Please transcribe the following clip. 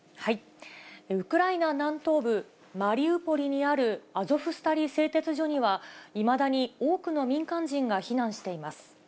ウクライナ南東部マリウポリにあるアゾフスタリ製鉄所には、いまだに多くの民間人が避難しています。